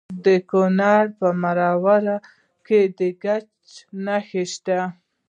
د کونړ په مروره کې د ګچ نښې شته.